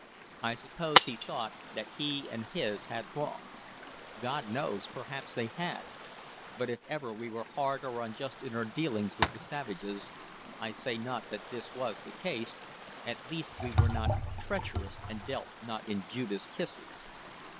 I suppose he thought that he and his had wrongs: God knows! perhaps they had. But if ever we were hard or unjust in our dealings with the savages, I say not that this was the case, at least we were not treacherous and dealt not in Judas kisses.